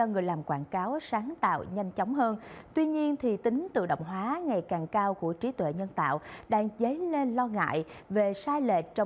gọi là chụp hình được cái exoplanet